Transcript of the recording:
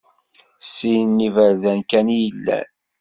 Sin n iberdan kan i yellan.